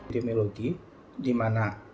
demiologi di mana